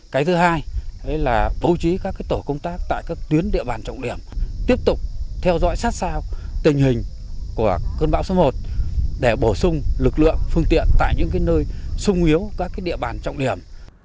cái thứ hai là bố trí các tổ công tác tại các tuyến địa bàn trọng điểm tiếp tục theo dõi sát sao tình hình của cơn bão số một để bổ sung lực lượng phương tiện tại những nơi sung yếu các địa bàn trọng điểm